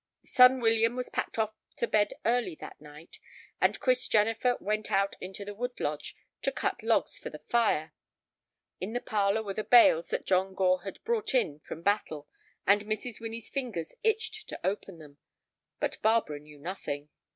Son William was packed off to bed early that night, and Chris Jennifer went out into the wood lodge to cut logs for the fire. In the parlor were the bales that John Gore had brought in from Battle, and Mrs. Winnie's fingers itched to open them, but Barbara knew nothing.